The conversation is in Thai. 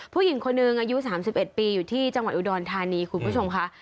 ผู้หญิงคนหนึ่งอายุ๓๑ปีอยู่ที่จังหวัดอุดรธานีคุณผู้ชมค่ะ